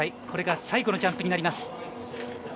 これが最後のジャンプになります。